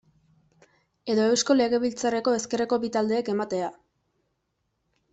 Edo Eusko Legebiltzarreko ezkerreko bi taldeek ematea.